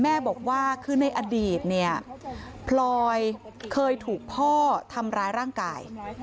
แม่บอกว่าคือในอดีตเนี่ยพลอยเคยถูกพ่อทำร้ายร่างกาย